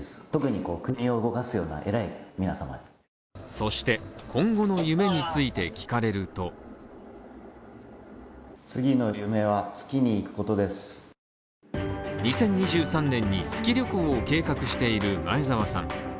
そして、今後の夢について聞かれると２０２３年に月旅行を計画している前澤さん。